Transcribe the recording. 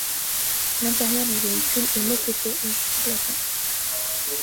L'intérieur du véhicule est moquetté jusqu'au plafond.